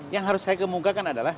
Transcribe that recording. yang harus saya kemukakan adalah